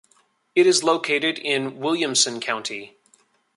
It is located in Williamson county.